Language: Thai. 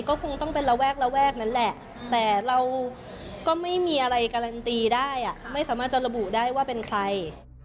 ก็คงต้องเป็นระแวกระแวกนั้นแหละแต่เราก็ไม่มีอะไรการันตีได้ไม่สามารถจะระบุได้ว่าเป็นใคร